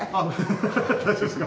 大丈夫ですか？